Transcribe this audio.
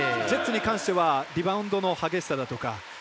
ジェッツに関してはリバウンドの激しさだとか